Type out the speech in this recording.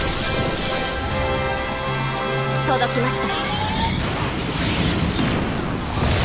届きました。